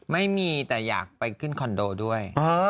ไม่มีแต่อยากไปขึ้นคอนโดด้วย